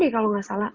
kalau enggak salah